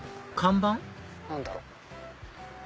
何だろう？